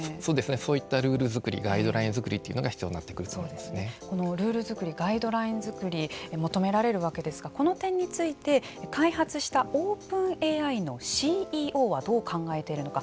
そういったルール作りガイドライン作りがルール作りガイドライン作り求められるわけですがこの点について開発したＯｐｅｎＡＩのＣＥＯはどう考えているのか。